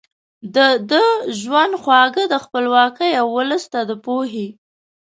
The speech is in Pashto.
ده د ژوند خواږه د خپلواکۍ او ولس ته د پوهې